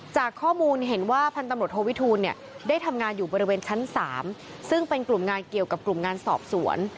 จากข้อมูลเห็นว่าพันธุ์ตำรวจโทวิทูลได้ทำงานอยู่บริเวณชั้น๓ซึ่งเป็นกลุ่มงานเกี่ยวกับกลุ่มงานสอบสวน